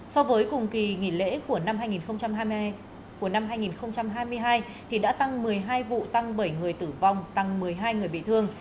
so với cùng kỳ nghỉ lễ của năm hai nghìn hai mươi hai thì đã tăng một mươi hai vụ tăng bảy người tử vong tăng một mươi hai người bị thương